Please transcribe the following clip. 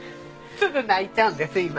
すぐ泣いちゃうんです今。